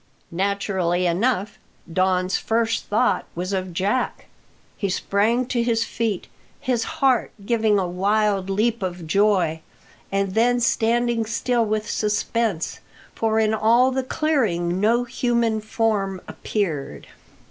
Naturally enough, Don's first thought was of Jack. He sprang to his feet, his heart giving a wild leap of joy, and then standing still with suspense. For in all the clearing no human form appeared.